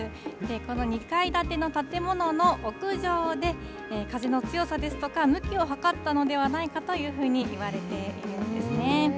この２階建ての建物の屋上で風の強さですとか、向きを測ったのではないかというふうにいわれているんですね。